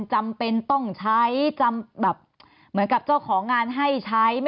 จำเป็นต้องใช้จำแบบเหมือนกับเจ้าของงานให้ใช้